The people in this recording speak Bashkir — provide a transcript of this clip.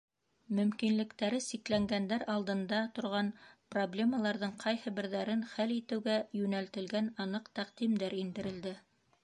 Мөмкинлектәре сикләнгәндәр алдында торған проблемаларҙың ҡайһы берҙәрен хәл итеүгә йүнәлтелгән аныҡ тәҡдимдәр индерелде.